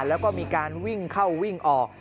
แล้วก็มีการวิ่งเข้าวิ่งออก